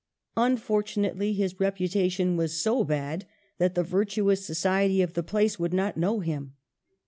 Unfortunately, his reputation was so bad that the virtuous society of the place would not know him.